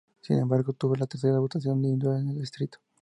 Sin embargo, obtuvo la tercera votación individual en el Distrito.